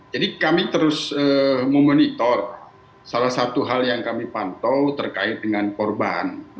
jadi kami terus memonitor salah satu hal yang kami pantau terkait dengan korban